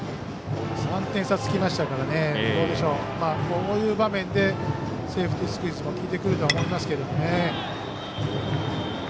３点差がつきましたからこういう場面でセーフティースクイズも効いてくると思いますけど。